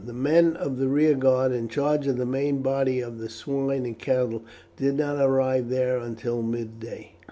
The men of the rear guard in charge of the main body of the swine and cattle did not arrive there until midday.